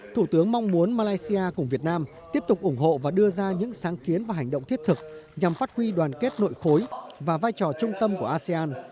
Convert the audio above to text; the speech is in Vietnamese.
thủ tướng mong muốn malaysia cùng việt nam tiếp tục ủng hộ và đưa ra những sáng kiến và hành động thiết thực nhằm phát huy đoàn kết nội khối và vai trò trung tâm của asean